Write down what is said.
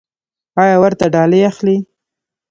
ایا ورته ډالۍ اخلئ؟